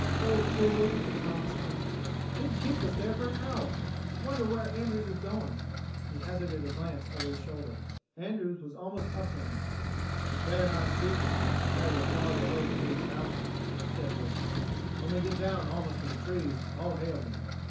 "The old fool!" Tom exclaimed. "He'd keep us there for an hour. I wonder where Andrews is going?" He hazarded a glance over his shoulder. Andrews was almost up to them. "We'd better not speak to him until we're farther away from these houses," said Wilson. "When we get down almost to the trees, I'll hail him."